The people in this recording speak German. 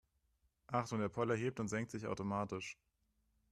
Achtung, der Poller hebt und senkt sich automatisch.